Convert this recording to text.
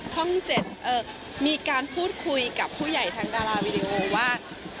ช่อง๗มีการพูดคุยกับผู้ใหญ่ทางดาราวีดีโอว่า